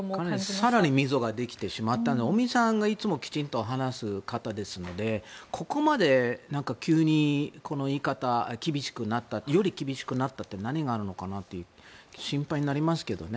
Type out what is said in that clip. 更に溝ができてしまったので尾身さんはいつもきちんと話す方ですのでここまで急にこの言い方、厳しくなったってより厳しくなったって何があったのかなって心配になりますけどね。